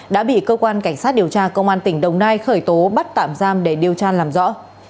đã bị cơ quan cảnh sát điều tra công an tỉnh đồng nai khởi tố bắt tạm giam để điều tra làm rõ